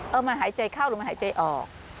มันหายใจเข้าหรือมันหายใจออก